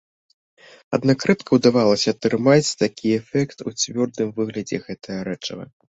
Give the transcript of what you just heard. Аднак рэдка ўдавалася атрымаць такі эфект у цвёрдым выглядзе гэтага рэчыва.